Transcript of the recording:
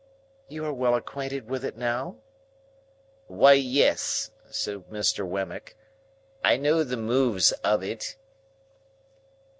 "You are well acquainted with it now?" "Why, yes," said Mr. Wemmick. "I know the moves of it."